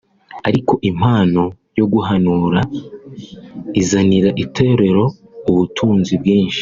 ariko impano yo guhanura izanira Itorero ubutunzi bwinshi